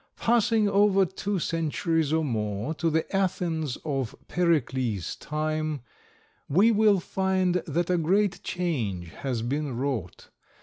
Passing over two centuries or more to the Athens of Pericles' time, we will find that a great change has been wrought.